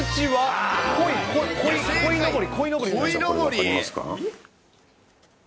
こいのぼり？